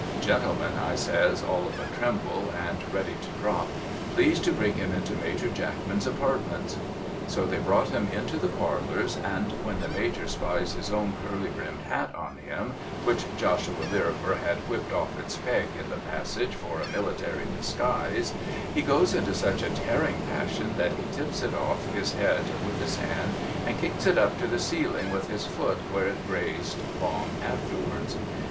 'Gentlemen,' I says all of a tremble and ready to drop ' please to bring him into Major Jackman's apart ments,' So they brought him into the Parlours, and when the Major spies his own curly brimmed hat on him which Joshua Lirriper had whipped off its peg in the passage for a military disguise he goes into such a tearing passion that he tips it off his head with his hand and kicks it up to the ceiling with his foot where it grazed long afterwards.